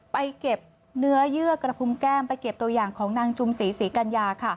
ไปเก็บเนื้อเยื่อกระพุมแก้มไปเก็บตัวอย่างของนางจุมศรีศรีกัญญาค่ะ